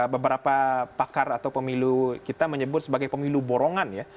beberapa pakar atau pemilu kita menyebut sebagai pemilu borongan ya